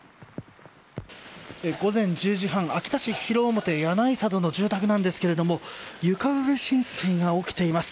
午前１０時半秋田市広面谷内佐渡の住宅なんですが床上浸水が起きています。